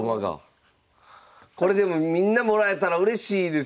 これでもみんなもらえたらうれしいですよね！